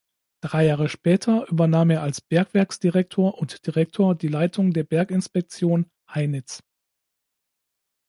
Drei Jahre später übernahm er als Bergwerksdirektor und Direktor die Leitung der Berginspektion Heinitz.